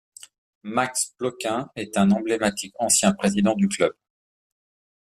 Max Ploquin est un emblématique ancien président du club.